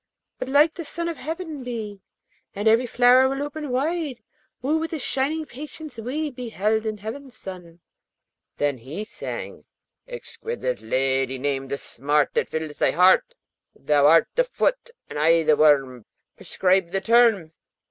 But like the sun of heaven be, And every flower will open wide. Woo with the shining patience we Beheld in heaven's sun.' Then he sang: Exquisite lady! name the smart That fills thy heart. Thou art the foot and I the worm: Prescribe the Term.